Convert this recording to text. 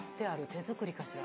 手作りかしら？